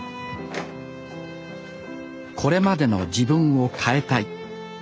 これまでの自分を変えたい。